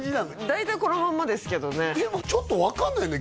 大体このまんまですけどねでもちょっと分かんないんだよ